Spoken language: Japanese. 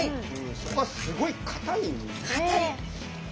そこがすごい硬いんです。